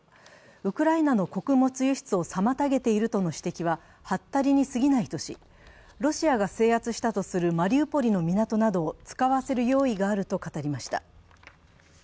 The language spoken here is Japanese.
ウクライナの穀物輸出を妨げているとの指摘ははったりにすぎないとし、ロシアが制圧としたとするマリウポリの港などを使わせる用意があると語りました。